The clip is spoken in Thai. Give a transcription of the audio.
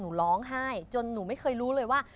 หนูร้องไห้จนหนูไม่เคยรู้เลยว่า